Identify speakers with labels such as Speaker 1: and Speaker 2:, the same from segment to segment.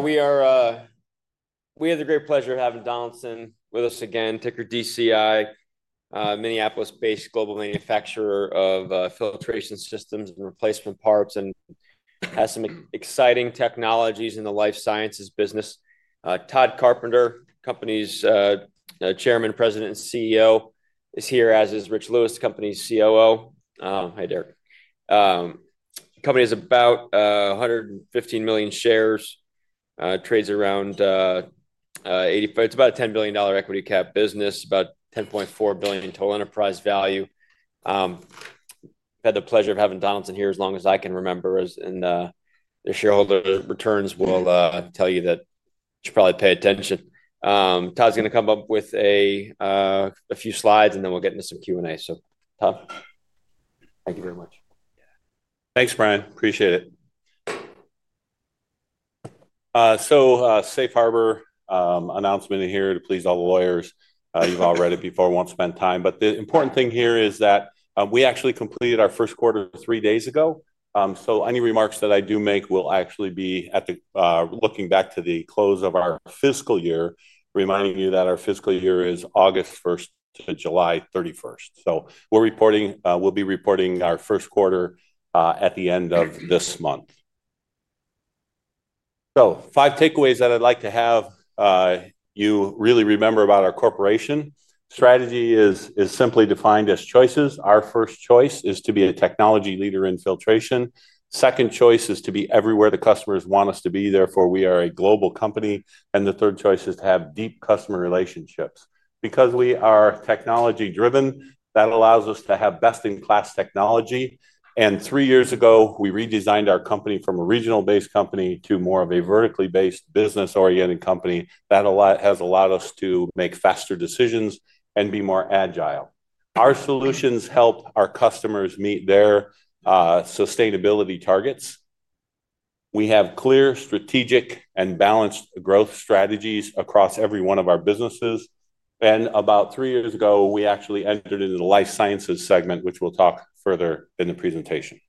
Speaker 1: We are. We have the great pleasure of having Donaldson with us again, Ticker DCI. Minneapolis-based global manufacturer of filtration systems and replacement parts, and has some exciting technologies in the Life Sciences business. Tod Carpenter, company's Chairman, President, and CEO, is here, as is Richard Lewis, the company's COO. Hi, Derek. The company is about 115 million shares. Trades around 85. It's about a $10 billion equity cap business, about $10.4 billion total enterprise value. Had the pleasure of having Donaldson here as long as I can remember, and the shareholder returns will tell you that you should probably pay attention. Tod's going to come up with a few slides, and then we'll get into some Q&A. Thank you very much.
Speaker 2: Thanks, Brian. Appreciate it. Safe Harbor announcement here to please all the lawyers. You've all read it before. Won't spend time. The important thing here is that we actually completed our first quarter three days ago. Any remarks that I do make will actually be looking back to the close of our fiscal year, reminding you that our fiscal year is August 1-July 31. We'll be reporting our first quarter at the end of this month. Five takeaways that I'd like to have you really remember about our corporation. Strategy is simply defined as choices. Our first choice is to be a technology leader in filtration. Second choice is to be everywhere the customers want us to be. Therefore, we are a global company. The third choice is to have deep customer relationships. Because we are technology-driven, that allows us to have best-in-class technology. Three years ago, we redesigned our company from a regional-based company to more of a vertically-based, business-oriented company. That has allowed us to make faster decisions and be more agile. Our solutions help our customers meet their sustainability targets. We have clear, strategic, and balanced growth strategies across every one of our businesses. About three years ago, we actually entered into the life sciences segment, which we'll talk further in the presentation.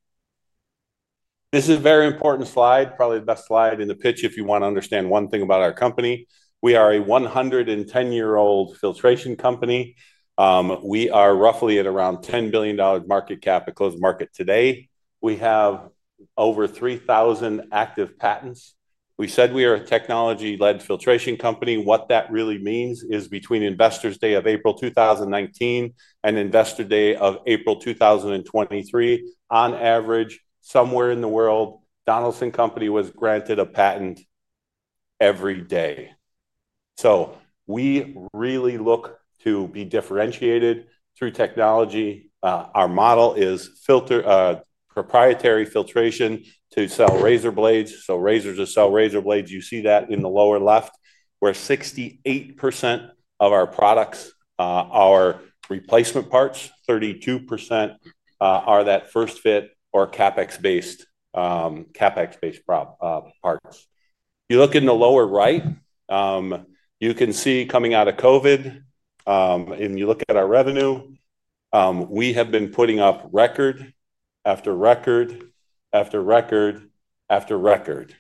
Speaker 2: This is a very important slide, probably the best slide in the pitch if you want to understand one thing about our company. We are a 110-year-old filtration company. We are roughly at around $10 billion market cap at close market today. We have over 3,000 active patents. We said we are a technology-led filtration company. What that really means is between Investors' Day of April 2019 and Investor Day of April 2023, on average, somewhere in the world, Donaldson Company was granted a patent every day. We really look to be differentiated through technology. Our model is proprietary filtration to sell razor blades. Razors to sell razor blades. You see that in the lower left, where 68% of our products are replacement parts. 32% are that first-fit or CapEx-based parts. You look in the lower right. You can see coming out of COVID. You look at our revenue, we have been putting up record after record after record after record.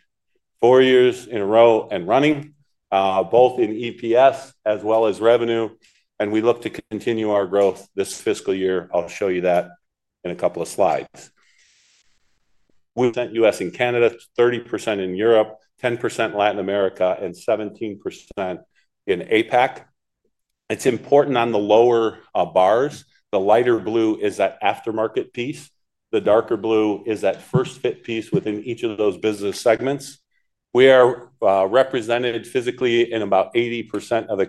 Speaker 2: Four years in a row and running, both in EPS as well as revenue. We look to continue our growth this fiscal year. I'll show you that in a couple of slides. We've sent U.S. and Canada, 30% in Europe, 10% in Latin America, and 17% in APAC. It's important on the lower bars. The lighter blue is that aftermarket piece. The darker blue is that first-fit piece within each of those business segments. We are represented physically in about 80% of the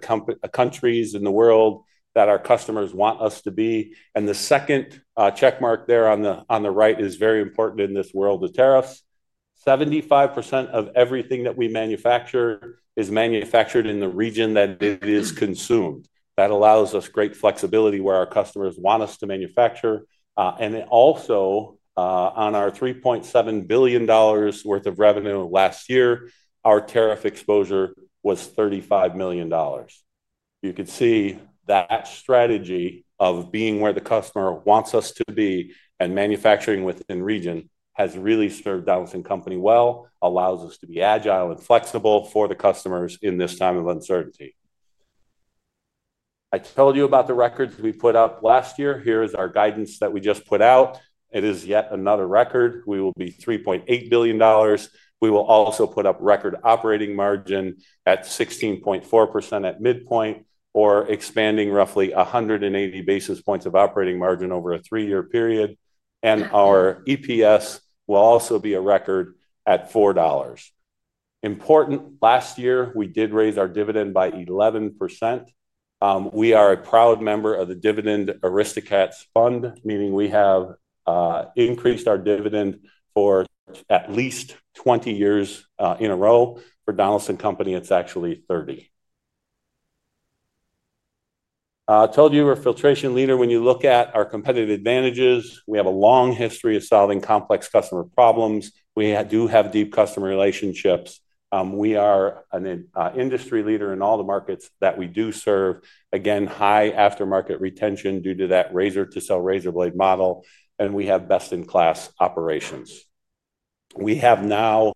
Speaker 2: countries in the world that our customers want us to be. The second checkmark there on the right is very important in this world of tariffs. 75% of everything that we manufacture is manufactured in the region that it is consumed. That allows us great flexibility where our customers want us to manufacture. Also, on our $3.7 billion worth of revenue last year, our tariff exposure was $35 million. You can see that strategy of being where the customer wants us to be and manufacturing within region has really served Donaldson Company well, allows us to be agile and flexible for the customers in this time of uncertainty. I told you about the records we put up last year. Here is our guidance that we just put out. It is yet another record. We will be $3.8 billion. We will also put up record operating margin at 16.4% at midpoint, or expanding roughly 180 basis points of operating margin over a three-year period. Our EPS will also be a record at $4. Important, last year, we did raise our dividend by 11%. We are a proud member of the Dividend Aristocrats Fund, meaning we have increased our dividend for at least 20 years in a row. For Donaldson Company, it's actually 30. I told you we're a filtration leader. When you look at our competitive advantages, we have a long history of solving complex customer problems. We do have deep customer relationships. We are an industry leader in all the markets that we do serve. Again, high aftermarket retention due to that razor-to-sell razor blade model. We have best-in-class operations. We have now,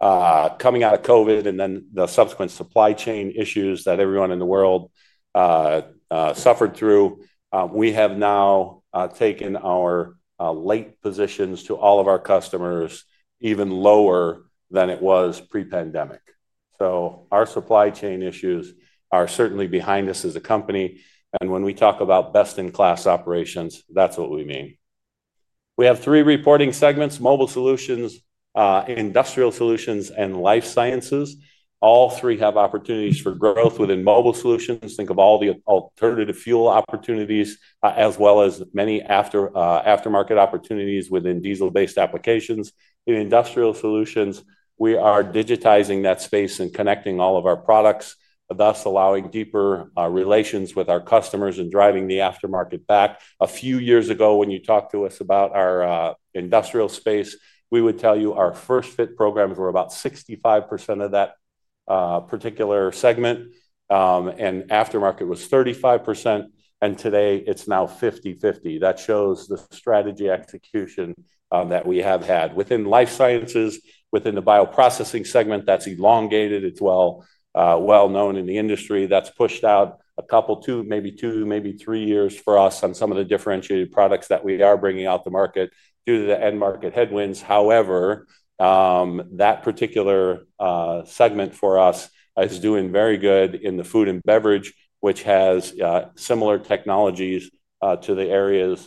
Speaker 2: coming out of COVID and then the subsequent supply chain issues that everyone in the world suffered through, we have now taken our late positions to all of our customers even lower than it was pre-pandemic. Our supply chain issues are certainly behind us as a company. When we talk about best-in-class operations, that's what we mean. We have three reporting segments: mobile solutions, industrial solutions, and life sciences. All three have opportunities for growth. Within mobile solutions, think of all the alternative fuel opportunities, as well as many aftermarket opportunities within diesel-based applications. In industrial solutions, we are digitizing that space and connecting all of our products, thus allowing deeper relations with our customers and driving the aftermarket back. A few years ago, when you talked to us about our industrial space, we would tell you our first-fit programs were about 65% of that particular segment and aftermarket was 35%. Today, it's now 50/50. That shows the strategy execution that we have had. Within life sciences, within the bioprocessing segment, that's elongated. It's well known in the industry. That's pushed out a couple, maybe two, maybe three years for us on some of the differentiated products that we are bringing out to market due to the end market headwinds. However, that particular segment for us is doing very good in the food and beverage, which has similar technologies to the areas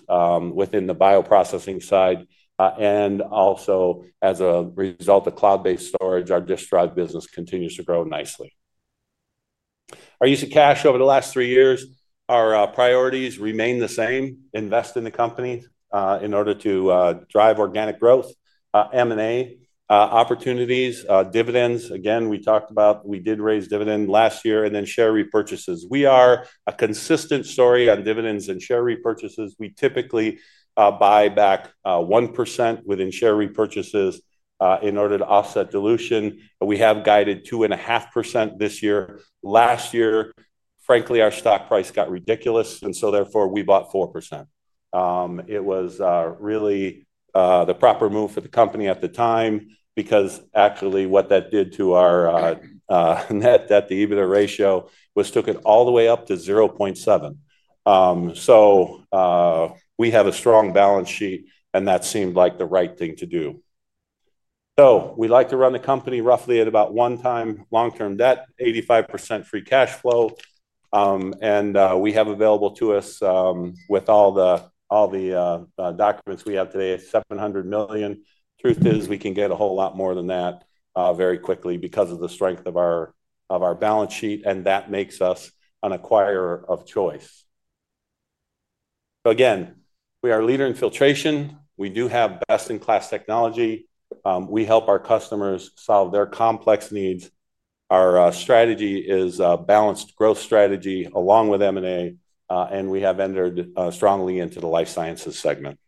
Speaker 2: within the bioprocessing side. Also, as a result of cloud-based storage, our disc drive business continues to grow nicely. Our use of cash over the last three years, our priorities remain the same: invest in the company in order to drive organic growth, M&A opportunities, dividends. Again, we talked about we did raise dividend last year and then share repurchases. We are a consistent story on dividends and share repurchases. We typically buy back 1% within share repurchases in order to offset dilution. We have guided 2.5% this year. Last year, frankly, our stock price got ridiculous. Therefore, we bought 4%. It was really the proper move for the company at the time because actually what that did to our net debt-to-EBITDA ratio was took it all the way up to 0.7. We have a strong balance sheet, and that seemed like the right thing to do. We like to run the company roughly at about one-time long-term debt, 85% free cash flow. We have available to us, with all the documents we have today, $700 million. Truth is, we can get a whole lot more than that very quickly because of the strength of our balance sheet. That makes us an acquirer of choice. Again, we are a leader in filtration. We do have best-in-class technology. We help our customers solve their complex needs. Our strategy is a balanced growth strategy along with M&A. We have entered strongly into the life sciences segment.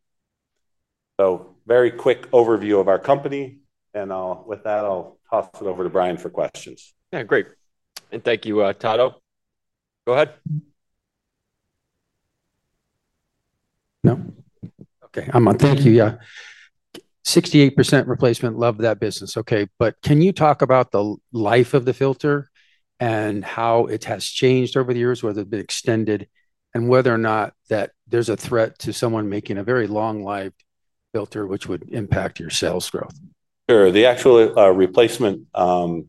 Speaker 2: Very quick overview of our company. With that, I'll toss it over to Brian for questions.
Speaker 1: Yeah, great. And thank you, Tod.
Speaker 2: Go ahead. No. Okay.
Speaker 1: Thank you. Yeah. 68% replacement, love that business. Okay. Can you talk about the life of the filter and how it has changed over the years, whether it's been extended, and whether or not there's a threat to someone making a very long-life filter, which would impact your sales growth?
Speaker 2: Sure. The actual replacement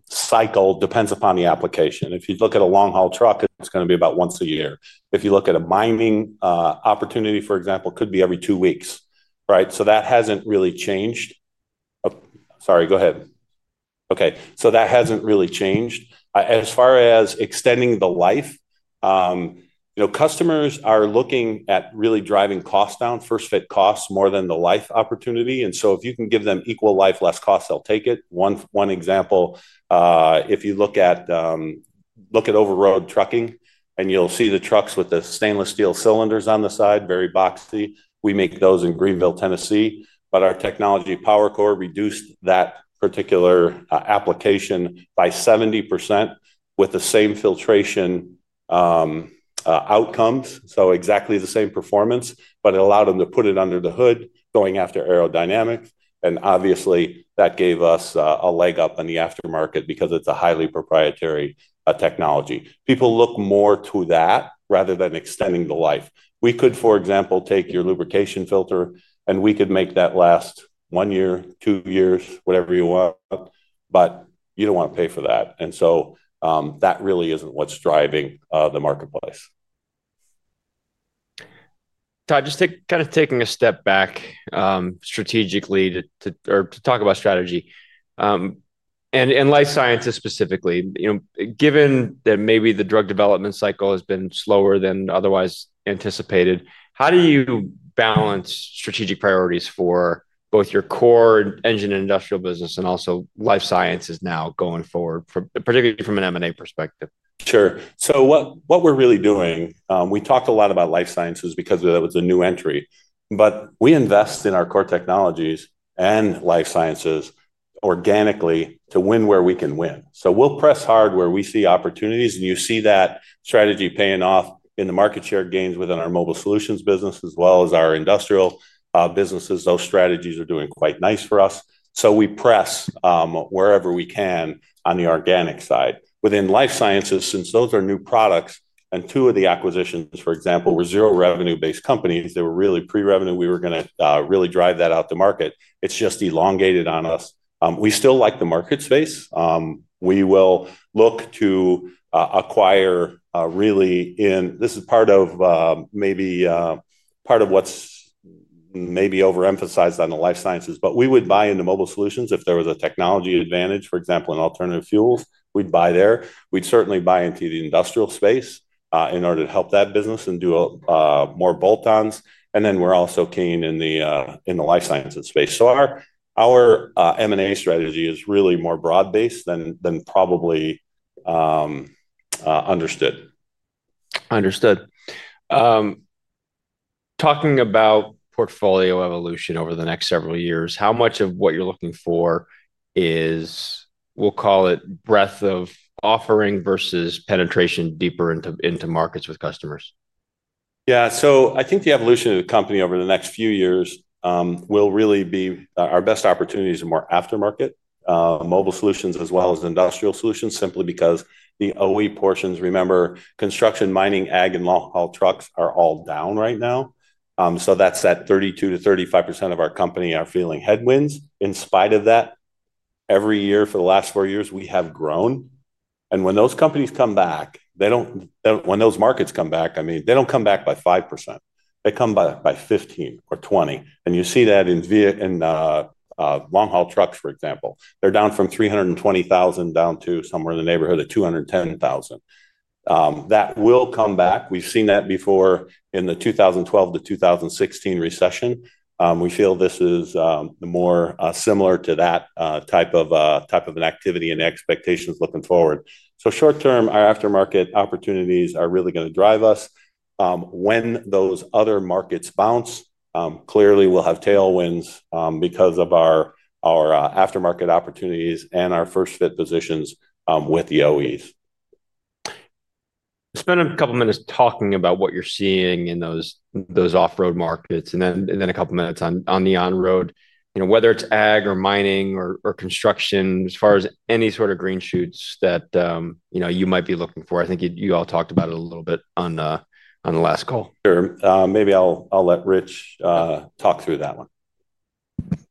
Speaker 2: cycle depends upon the application. If you look at a long-haul truck, it's going to be about once a year. If you look at a mining opportunity, for example, it could be every two weeks, right? That hasn't really changed. Sorry, go ahead. That hasn't really changed. As far as extending the life, customers are looking at really driving costs down, first-fit costs more than the life opportunity. If you can give them equal life, less cost, they'll take it. One example, if you look at overroad trucking, and you'll see the trucks with the stainless steel cylinders on the side, very boxy. We make those in Greenville, Tennessee. Our technology, PowerCore, reduced that particular application by 70% with the same filtration outcomes, so exactly the same performance. It allowed them to put it under the hood, going after aerodynamics. Obviously, that gave us a leg up in the aftermarket because it's a highly proprietary technology. People look more to that rather than extending the life. We could, for example, take your lubrication filter, and we could make that last one year, two years, whatever you want. You don't want to pay for that. That really isn't what's driving the marketplace.
Speaker 1: Tod, just kind of taking a step back. Strategically to talk about strategy. And life sciences specifically, given that maybe the drug development cycle has been slower than otherwise anticipated, how do you balance strategic priorities for both your core engine and industrial business and also life sciences now going forward, particularly from an M&A perspective?
Speaker 2: Sure. What we're really doing, we talked a lot about life sciences because that was a new entry. We invest in our core technologies and life sciences organically to win where we can win. We press hard where we see opportunities. You see that strategy paying off in the market share gains within our mobile solutions business as well as our industrial businesses. Those strategies are doing quite nice for us. We press wherever we can on the organic side. Within life sciences, since those are new products, and two of the acquisitions, for example, were zero revenue-based companies, they were really pre-revenue. We were going to really drive that out to the market. It's just elongated on us. We still like the market space. We will look to acquire, really, and this is part of maybe part of what's maybe overemphasized on the life sciences. We would buy into mobile solutions if there was a technology advantage, for example, in alternative fuels. We'd buy there. We'd certainly buy into the industrial space in order to help that business and do more bolt-ons. We are also keen in the life sciences space. Our M&A strategy is really more broad-based than probably understood.
Speaker 1: Understood. Talking about portfolio evolution over the next several years, how much of what you're looking for is, we'll call it, breadth of offering versus penetration deeper into markets with customers?
Speaker 2: Yeah. So I think the evolution of the company over the next few years will really be our best opportunities are more aftermarket, mobile solutions as well as industrial solutions, simply because the OE portions, remember, construction, mining, ag, and long-haul trucks are all down right now. So that's that 32%-35% of our company are feeling headwinds. In spite of that. Every year for the last four years, we have grown. And when those companies come back, when those markets come back, I mean, they don't come back by 5%. They come back by 15% or 20%. You see that in long-haul trucks, for example. They're down from 320,000 down to somewhere in the neighborhood of 210,000. That will come back. We've seen that before in the 2012-2016 recession. We feel this is more similar to that type of an activity and expectations looking forward. Short-term, our aftermarket opportunities are really going to drive us. When those other markets bounce, clearly we'll have tailwinds because of our aftermarket opportunities and our first-fit positions with the OEs.
Speaker 1: Let's spend a couple of minutes talking about what you're seeing in those off-road markets and then a couple of minutes on the on-road. Whether it's ag or mining or construction, as far as any sort of green shoots that you might be looking for, I think you all talked about it a little bit on the last call.
Speaker 2: Sure. Maybe I'll let Rich talk through that one.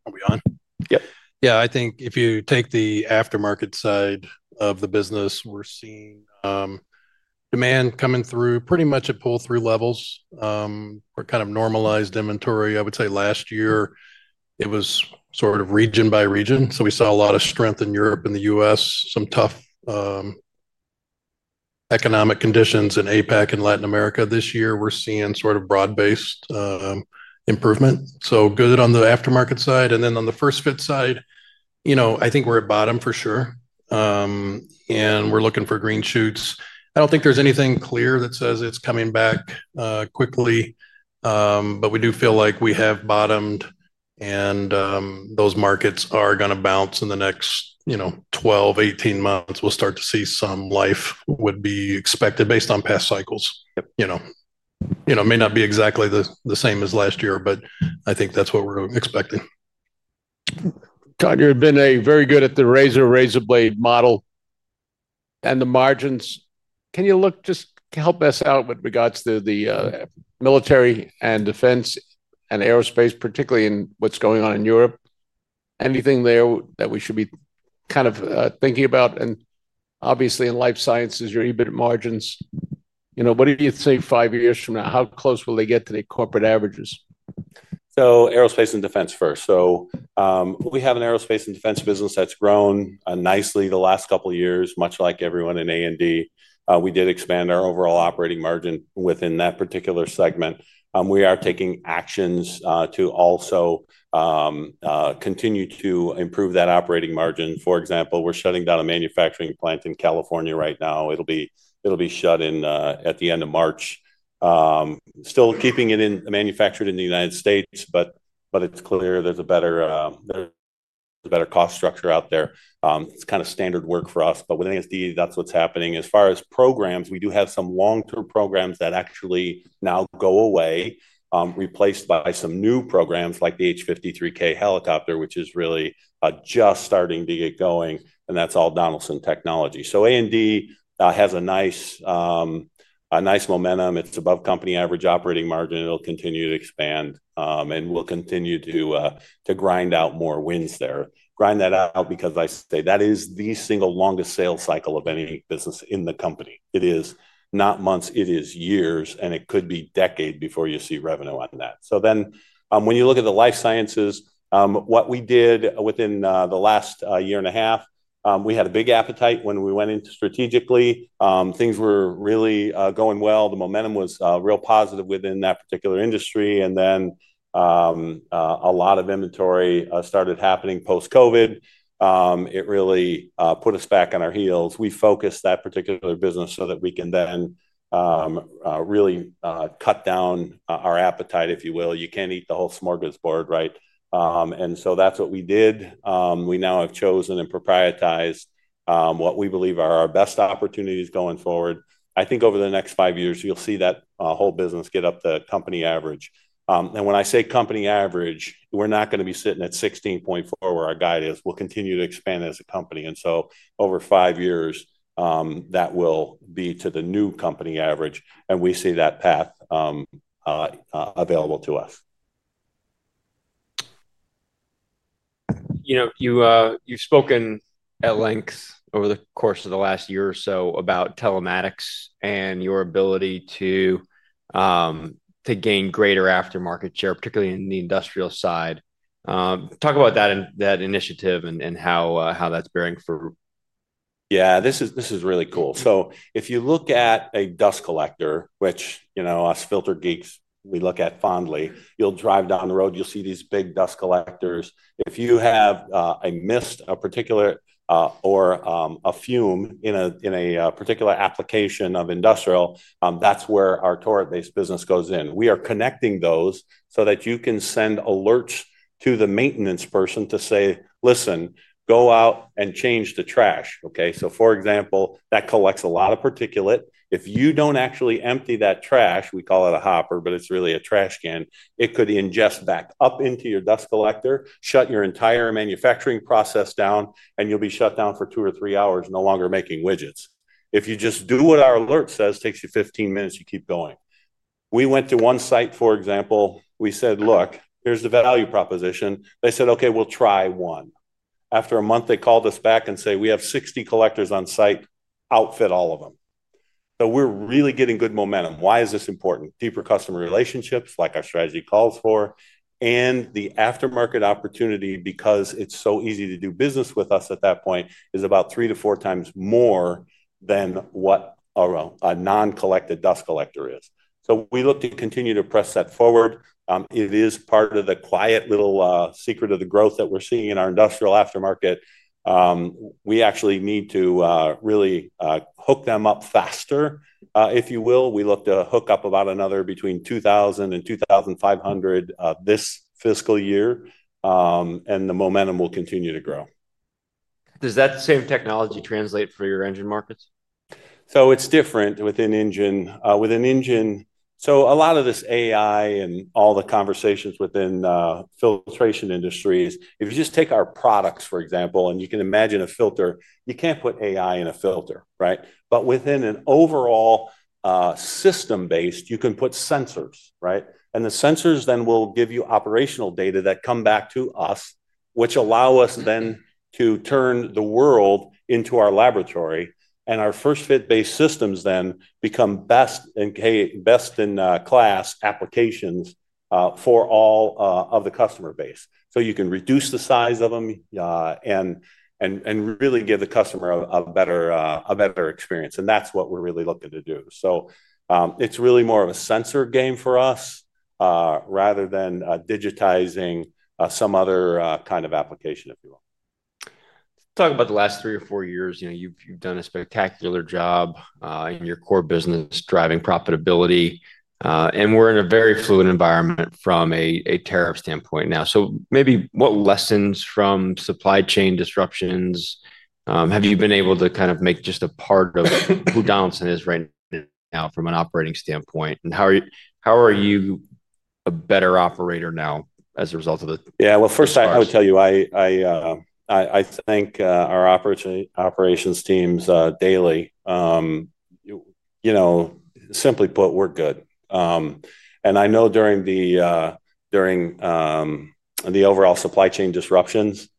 Speaker 3: Are we on?
Speaker 2: Yep.
Speaker 3: Yeah. I think if you take the aftermarket side of the business, we're seeing demand coming through pretty much at pull-through levels. Kind of normalized inventory. I would say last year, it was sort of region by region. We saw a lot of strength in Europe, in the U.S., some tough economic conditions in APAC and Latin America. This year, we're seeing sort of broad-based improvement. Good on the aftermarket side. On the first-fit side, I think we're at bottom for sure. We're looking for green shoots. I don't think there's anything clear that says it's coming back quickly. We do feel like we have bottomed. Those markets are going to bounce in the next 12-18 months. We'll start to see some life would be expected based on past cycles. It may not be exactly the same as last year, but I think that's what we're expecting.
Speaker 1: Tod, you have been very good at the razor-and-blades model. And the margins. Can you just help us out with regards to the military and defense and aerospace, particularly in what's going on in Europe? Anything there that we should be kind of thinking about? And obviously, in Life Sciences, your EBIT margins. What do you think five years from now? How close will they get to the corporate averages?
Speaker 2: Aerospace and defense first. We have an aerospace and defense business that's grown nicely the last couple of years, much like everyone in A&D. We did expand our overall operating margin within that particular segment. We are taking actions to also continue to improve that operating margin. For example, we're shutting down a manufacturing plant in California right now. It'll be shut at the end of March. Still keeping it manufactured in the United States, but it's clear there's a better cost structure out there. It's kind of standard work for us. With A&D, that's what's happening. As far as programs, we do have some long-term programs that actually now go away, replaced by some new programs like the H-53K helicopter, which is really just starting to get going. That's all Donaldson Technology. A&D has nice momentum. It's above company average operating margin. It'll continue to expand. We'll continue to grind out more wins there. Grind that out because I say that is the single longest sales cycle of any business in the company. It is not months. It is years. It could be decades before you see revenue on that. When you look at the life sciences, what we did within the last year and a half, we had a big appetite when we went in strategically. Things were really going well. The momentum was real positive within that particular industry. A lot of inventory started happening post-COVID. It really put us back on our heels. We focused that particular business so that we can then really cut down our appetite, if you will. You can't eat the whole smorgasbord, right? That's what we did. We now have chosen and proprietized what we believe are our best opportunities going forward. I think over the next five years, you'll see that whole business get up to the company average. When I say company average, we're not going to be sitting at 16.4 where our guide is. We'll continue to expand as a company. Over five years, that will be to the new company average. We see that path available to us.
Speaker 1: You've spoken at length over the course of the last year or so about telematics and your ability to gain greater aftermarket share, particularly in the industrial side. Talk about that initiative and how that's bearing for.
Speaker 2: Yeah. This is really cool. If you look at a dust collector, which us filter geeks, we look at fondly, you'll drive down the road, you'll see these big dust collectors. If you have a mist, a particulate, or a fume in a particular application of industrial, that's where our Torit-based business goes in. We are connecting those so that you can send alerts to the maintenance person to say, "Listen, go out and change the trash." Okay? For example, that collects a lot of particulate. If you do not actually empty that trash, we call it a hopper, but it is really a trash can, it could ingest back up into your dust collector, shut your entire manufacturing process down, and you'll be shut down for two or three hours, no longer making widgets. If you just do what our alert says, it takes you 15 minutes, you keep going. We went to one site, for example. We said, "Look, here is the value proposition." They said, "Okay, we'll try one." After a month, they called us back and said, "We have 60 collectors on site. Outfit all of them." We are really getting good momentum. Why is this important? Deeper customer relationships, like our strategy calls for. The aftermarket opportunity, because it is so easy to do business with us at that point, is about three to four times more than what a non-connected dust collector is. We look to continue to press that forward. It is part of the quiet little secret of the growth that we are seeing in our industrial aftermarket. We actually need to really hook them up faster, if you will. We look to hook up about another between 2,000 and 2,500 this fiscal year. The momentum will continue to grow.
Speaker 1: Does that same technology translate for your engine markets?
Speaker 2: It's different within engine. A lot of this AI and all the conversations within filtration industries, if you just take our products, for example, and you can imagine a filter, you can't put AI in a filter, right? Within an overall system base, you can put sensors, right? The sensors then will give you operational data that come back to us, which allow us then to turn the world into our laboratory. Our first-fit-based systems then become best in class applications for all of the customer base. You can reduce the size of them and really give the customer a better experience. That's what we're really looking to do. It's really more of a sensor game for us rather than digitizing some other kind of application, if you will.
Speaker 1: Talk about the last three or four years. You've done a spectacular job in your core business, driving profitability. We're in a very fluid environment from a tariff standpoint now. Maybe what lessons from supply chain disruptions have you been able to kind of make just a part of who Donaldson is right now from an operating standpoint? How are you a better operator now as a result of the?
Speaker 2: Yeah. First, I would tell you I thank our operations teams daily. Simply put, we're good. I know during the overall supply chain disruptions,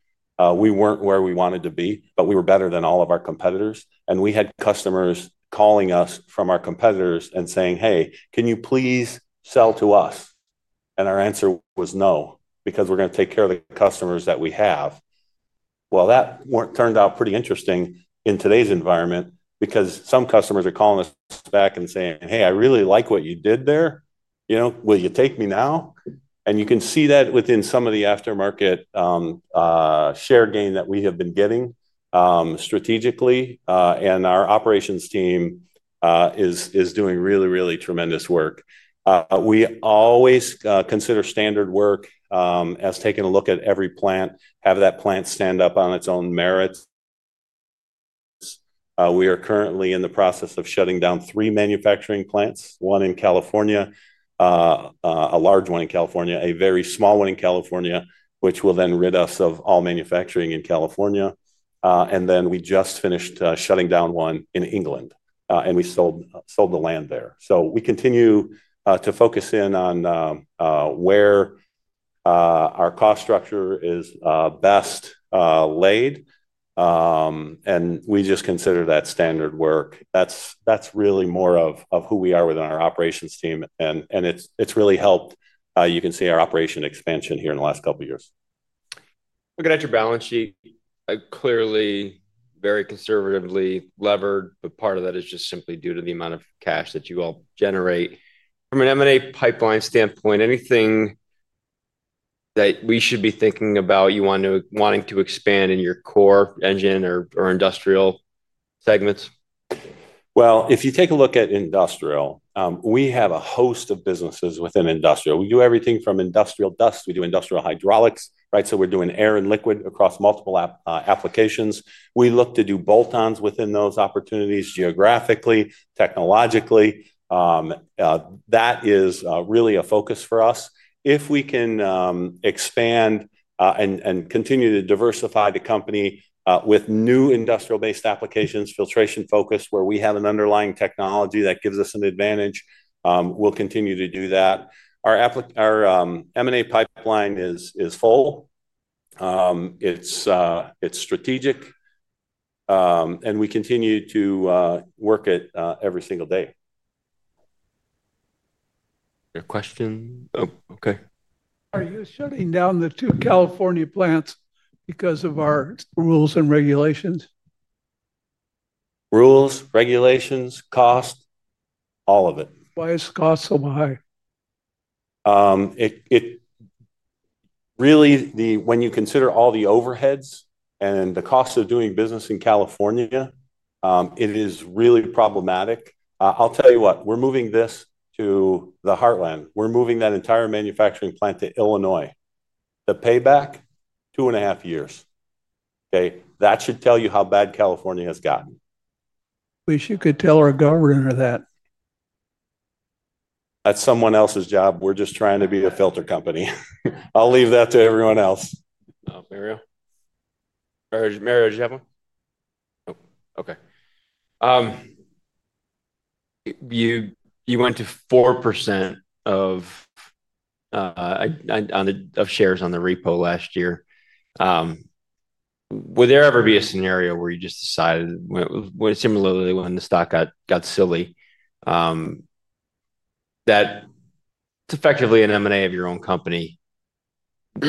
Speaker 2: we weren't where we wanted to be, but we were better than all of our competitors. We had customers calling us from our competitors and saying, "Hey, can you please sell to us?" Our answer was no, because we're going to take care of the customers that we have. That turned out pretty interesting in today's environment because some customers are calling us back and saying, "Hey, I really like what you did there. Will you take me now?" You can see that within some of the aftermarket share gain that we have been getting. Strategically, our operations team is doing really, really tremendous work. We always consider standard work as taking a look at every plant, have that plant stand up on its own merits. We are currently in the process of shutting down three manufacturing plants, one in California, a large one in California, a very small one in California, which will then rid us of all manufacturing in California. We just finished shutting down one in England, and we sold the land there. We continue to focus in on where our cost structure is best laid. We just consider that standard work. That's really more of who we are within our operations team. It's really helped. You can see our operation expansion here in the last couple of years.
Speaker 1: Looking at your balance sheet, clearly very conservatively levered, but part of that is just simply due to the amount of cash that you all generate. From an M&A pipeline standpoint, anything that we should be thinking about you wanting to expand in your core engine or industrial segments?
Speaker 2: If you take a look at industrial, we have a host of businesses within industrial. We do everything from industrial dust. We do industrial hydraulics, right? So we're doing air and liquid across multiple applications. We look to do bolt-ons within those opportunities geographically, technologically. That is really a focus for us. If we can expand and continue to diversify the company with new industrial-based applications, filtration focus, where we have an underlying technology that gives us an advantage, we'll continue to do that. Our M&A pipeline is full. It's strategic. And we continue to work it every single day.
Speaker 1: Question? Oh, okay.
Speaker 4: Are you shutting down the two California plants because of our rules and regulations?
Speaker 2: Rules, regulations, cost, all of it.
Speaker 4: Why is cost so high?
Speaker 2: Really, when you consider all the overheads and the cost of doing business in California, it is really problematic. I'll tell you what. We're moving this to the Heartland. We're moving that entire manufacturing plant to Illinois. The payback, two and a half years. Okay? That should tell you how bad California has gotten.
Speaker 4: Wish you could tell our governor that.
Speaker 2: That's someone else's job. We're just trying to be a filter company. I'll leave that to everyone else.
Speaker 1: Mario. Did you have one? Okay. You went to 4% of shares on the repo last year. Would there ever be a scenario where you just decided, similarly, when the stock got silly, that it's effectively an M&A of your own company?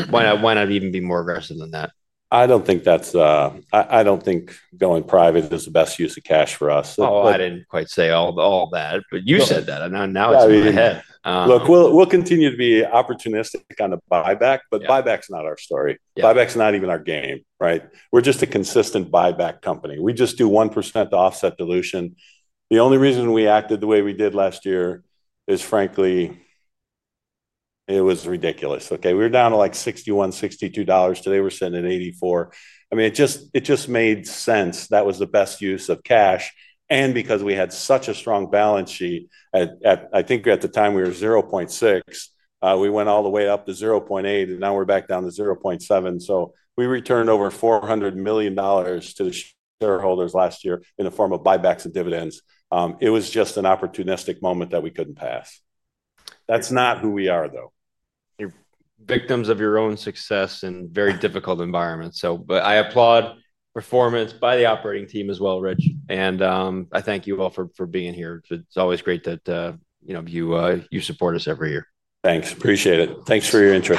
Speaker 1: Why not even be more aggressive than that?
Speaker 2: I don't think that's—I don't think going private is the best use of cash for us.
Speaker 1: Oh, I didn't quite say all that. You said that. And now it's in my head.
Speaker 2: Look, we'll continue to be opportunistic on the buyback, but buyback's not our story. Buyback's not even our game, right? We're just a consistent buyback company. We just do 1% to offset dilution. The only reason we acted the way we did last year is, frankly, it was ridiculous. Okay? We were down to like $61-$62. Today, we're sitting at $84. I mean, it just made sense. That was the best use of cash. Because we had such a strong balance sheet, I think at the time we were 0.6, we went all the way up to 0.8, and now we're back down to 0.7. We returned over $400 million to the shareholders last year in the form of buybacks and dividends. It was just an opportunistic moment that we couldn't pass. That's not who we are, though.
Speaker 1: Victims of your own success in very difficult environments. I applaud performance by the operating team as well, Rich. I thank you all for being here. It's always great that you support us every year.
Speaker 2: Thanks. Appreciate it. Thanks for your interest.